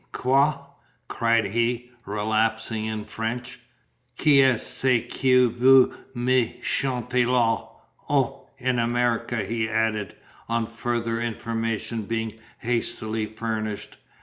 Quoi?" cried he, relapsing into French. "Qu'est ce que vous me chantez la? O, in America," he added, on further information being hastily furnished.